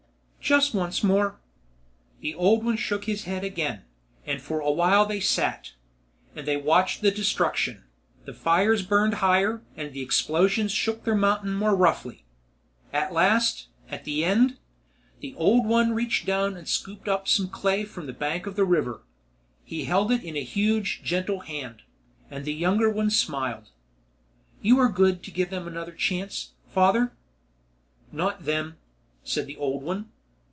"Just once more." The old one shook his head again, and for a while they sat, and they watched the destruction. The fires burned higher, and the explosions shook their mountain more roughly. At last, at the end, the old one reached down and scooped up some clay from the bank of the river. He held it in a huge, gentle hand, and the younger one smiled. "You are good to give them another chance, father." "Not them," said the old one.